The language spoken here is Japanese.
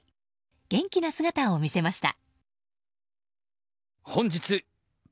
元気な姿を見せました。